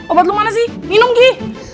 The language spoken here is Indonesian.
obat lu mana sih minum ki